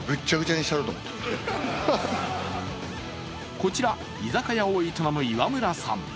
こちら、居酒屋を営む岩村さん。